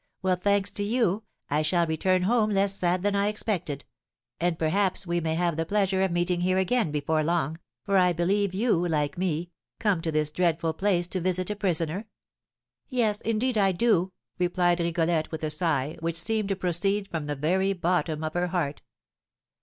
"Well, thanks to you, I shall return home less sad than I expected; and perhaps we may have the pleasure of meeting here again before long, for I believe you, like me, come to this dreadful place to visit a prisoner?" "Yes, indeed, I do," replied Rigolette, with a sigh, which seemed to proceed from the very bottom of her heart.